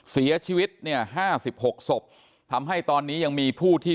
เสียชีวิตเนี่ยห้าสิบหกศพทำให้ตอนนี้ยังมีผู้ที่